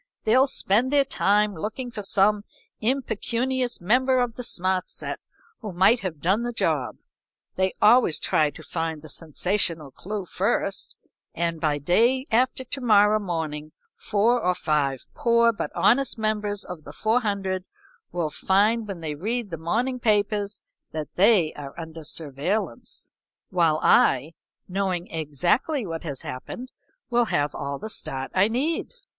"They'll spend their time looking for some impecunious member of the smart set who might have done the job. They always try to find the sensational clew first, and by day after to morrow morning four or five poor but honest members of the four hundred will find when they read the morning papers that they are under surveillance, while I, knowing exactly what has happened will have all the start I need.